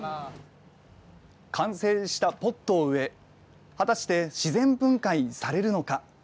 完成したポットを植え果たして自然分解されるのか